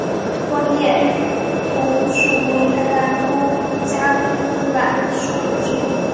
光叶白头树为橄榄科嘉榄属的植物。